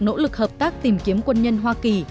nỗ lực hợp tác tìm kiếm quân nhân hoa kỳ